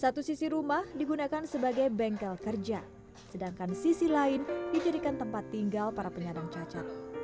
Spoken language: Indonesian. satu sisi rumah digunakan sebagai bengkel kerja sedangkan sisi lain dijadikan tempat tinggal para penyandang cacat